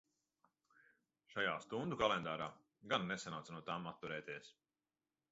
Šajā "Stundu kalendārā" gan nesanāca no tām atturēties.